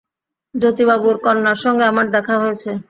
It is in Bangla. জ্যোতিবাবুর কন্যার সঙ্গে আমার দেখা হয়েছে।